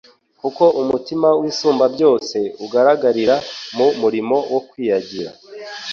kuko umutima w'Isumbabyose ugaragarira mu murimo wo kwiyariga.